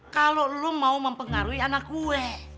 kalo lo mau mempengaruhi anak gue